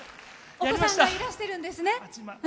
お子さんいらしてるんですね。